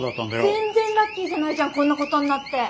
全然ラッキーじゃないじゃんこんなことになって。